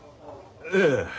ええ。